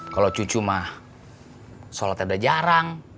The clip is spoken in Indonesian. kalau cucu mah sholatnya udah jarang